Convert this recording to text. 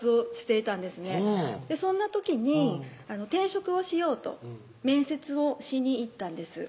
うんそんな時に転職をしようと面接をしに行ったんです